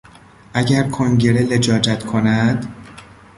اگر کنگره لجاجت کند...